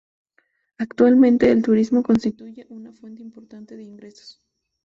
Actualmente, el turismo constituye una fuente importante de ingresos